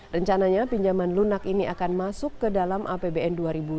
rencananya pinjaman lunak ini akan masuk ke dalam apbn dua ribu dua puluh